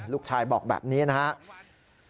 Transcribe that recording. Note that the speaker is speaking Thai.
ลูกชายบอกแบบนี้นะครับ